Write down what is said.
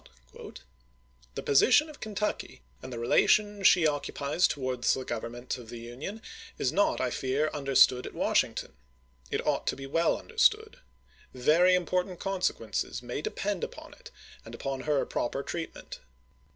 Scott : The position of Kentucky, and the relation she occupies towards the Government of the Union, is not, I fear, un derstood at Washington. It ought to be well understood. Very important consequences may depend upon it and upon her proper treatment.